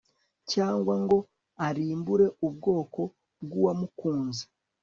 cyangwa ngo arimbure ubwoko bw'uwamukunze